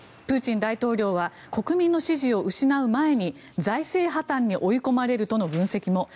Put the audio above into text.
プーチン大統領は国民の支持を失う前に財政破たんに追い込まれるとの分析も。